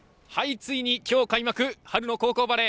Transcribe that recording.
ついに今日開幕春の高校バレー。